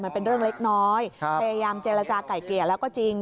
มันเป็นเรื่องเล็กน้อยพยายามเจรจาไก่เกลี่ยแล้วก็จริง